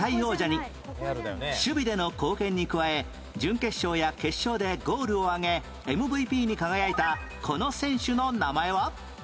守備での貢献に加え準決勝や決勝でゴールを挙げ ＭＶＰ に輝いたこの選手の名前は？